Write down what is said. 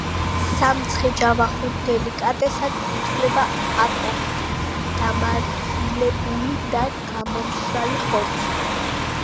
სამცხე-ჯავახურ დელიკატესად ითვლება აპოხტი — დამარილებული და გამომშრალი ხორცი